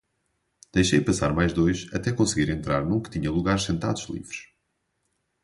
Deixei passar mais dois até conseguir entrar num que tinha lugares sentados livres.